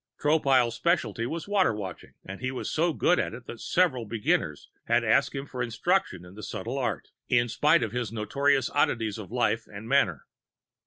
Tropile's specialty was Water Watching and he was so good at it that several beginners had asked him for instruction in the subtle art, in spite of his notorious oddities of life and manner.